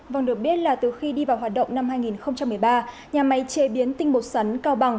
vâng được biết là từ khi đi vào hoạt động năm hai nghìn một mươi ba nhà máy chế biến tinh bột sắn cao bằng